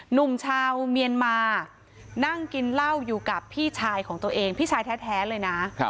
หนุ่มชาวเมียนมานั่งกินเหล้าอยู่กับพี่ชายของตัวเองพี่ชายแท้เลยนะ